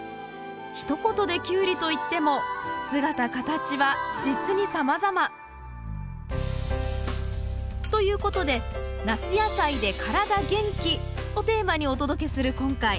ひと言でキュウリといっても姿形はじつにさまざま。ということで「夏野菜でカラダ元気」をテーマにお届けする今回。